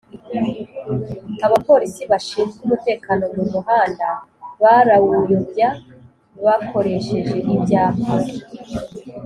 abapolisi bashinzwe umutekano mu muhanda barawuyobya bakoresheje Ibyapa